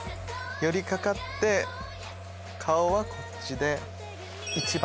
寄り掛かって顔はこっちで１番。